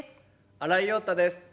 新井庸太です。